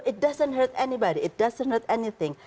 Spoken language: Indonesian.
jadi itu tidak memperlukan seseorang